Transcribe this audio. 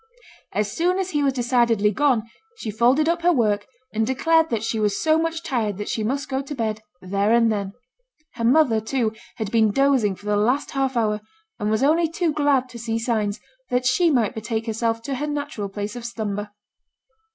As soon as he was decidedly gone, she folded up her work, and declared that she was so much tired that she must go to bed there and then. Her mother, too, had been dozing for the last half hour, and was only too glad to see signs that she might betake herself to her natural place of slumber.